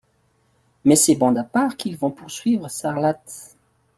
Mais c'est bande à part qu'ils vont poursuivre Sarlat.